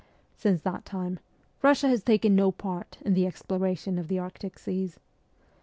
Since that time Eussia has taken no part in the exploration of the Arctic seas.